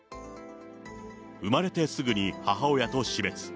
生まれてすぐに母親と死別。